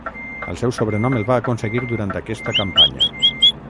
El seu sobrenom el va aconseguir durant aquesta campanya.